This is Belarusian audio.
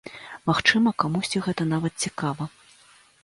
Магчыма, камусьці гэта нават цікава.